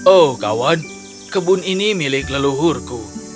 oh kawan kebun ini milik leluhurku